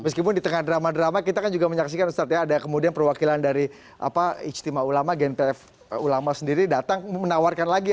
meskipun di tengah drama drama kita kan juga menyaksikan ustadz ya ada kemudian perwakilan dari ijtima ulama gnpf ulama sendiri datang menawarkan lagi